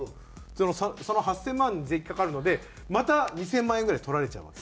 その８０００万に税金かかるのでまた２０００万円ぐらい取られちゃうわけです。